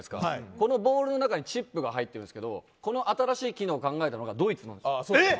このボールの中にチップが入ってるんですけどこの新しい機能を考えたのがドイツなんですよ。